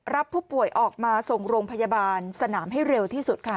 รับผู้ป่วยออกมาส่งโรงพยาบาลสนามให้เร็วที่สุดค่ะ